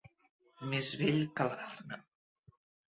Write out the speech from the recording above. Més vell que l'arna.